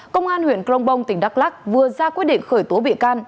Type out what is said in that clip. công an huyện crong bong tỉnh đắk lắc vừa ra quyết định khởi tố bị can